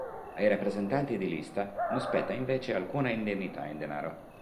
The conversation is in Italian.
Ai rappresentanti di lista non spetta invece alcuna indennità in denaro.